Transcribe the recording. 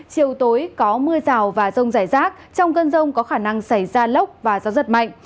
chiều tối có mưa rào và rông rải rác trong cơn rông có khả năng xảy ra lốc và gió giật mạnh